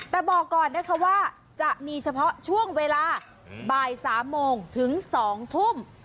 แต่บอกก่อนนะคะว่าจะมีเฉพาะช่วงเวลาบ่าย๓โมงถึง๒ทุ่ม